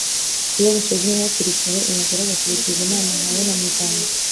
iyo busuzumwe hakiri kare umugore agakurikiza inama ahawe na muganga.